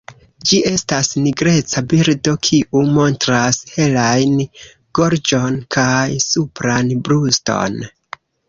Ĝi estas nigreca birdo, kiu montras helajn gorĝon kaj supran bruston.